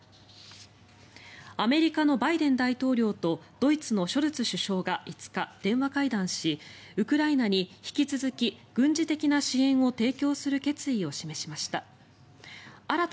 アメリカのバイデン大統領とドイツのショルツ首相が５日、電話会談しウクライナに引き続き軍事的な支援を提供する決意を示しました。